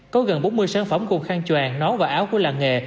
có gần bốn mươi sản phẩm cùng khăn choàng nón và áo của làng nghề